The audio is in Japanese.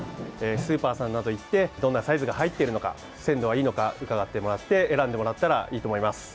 スーパーさんなど行ってどんなサイズが入っているのか鮮度がいいのか伺ってもらって選んでもらったらいいと思います。